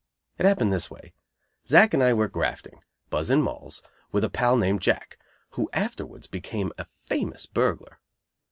It happened this way. Zack and I were grafting, buzzing Molls, with a pal named Jack, who afterwards became a famous burglar.